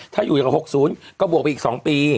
ถ้าอยู่อย่างกับ๖๐ก็บวกไปอีก๒ปี